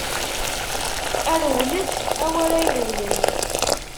A rewlet a w'ara irewlen!